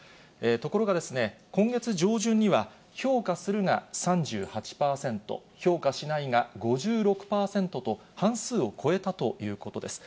ところがですね、今月上旬には評価するが３８％、評価しないが５６％と、半数を超えたということです。